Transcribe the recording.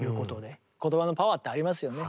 言葉のパワーってありますよね。